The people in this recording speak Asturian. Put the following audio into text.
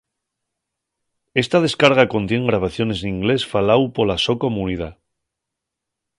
Esta descarga contién grabaciones n'inglés faláu pola so comunidá.